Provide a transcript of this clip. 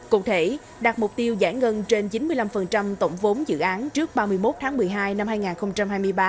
cụ thể đạt mục tiêu giải ngân trên chín mươi năm tổng vốn dự án trước ba mươi một tháng một mươi hai năm hai nghìn hai mươi ba